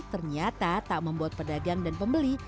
ternyata tak membuat pedagang dan pembeli